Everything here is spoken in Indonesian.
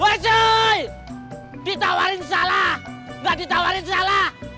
wah cuy ditawarin salah gak ditawarin salah